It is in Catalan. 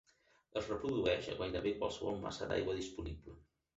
Es reprodueix a gairebé qualsevol massa d'aigua disponible.